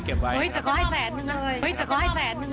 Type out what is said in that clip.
แต่ก็ให้๑๐๐๐๐๐นิ้วเลย